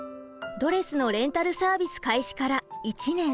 ドレスのレンタルサービス開始から１年。